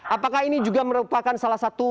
apakah ini juga merupakan salah satu